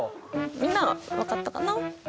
みんなは分かったかな？